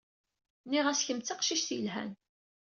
Nniɣ-as kemm d taqcict yelhan.